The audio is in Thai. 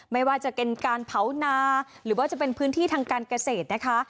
ไม่ว่าจะเป็นการเผานาหรือว่าจะเป็นพื้นที่ทางการเกษตรนะคะ